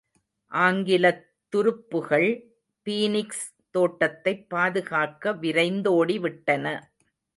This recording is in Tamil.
ஆங்கிலத் துருப்புகள் பீனிக்ஸ் தோட்டத்தைப் பாதுகாக்க விரைந்தோடிவிட்டன.